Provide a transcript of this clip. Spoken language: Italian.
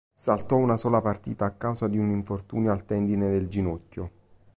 Saltò una sola partita a causa di un infortunio al tendine del ginocchio.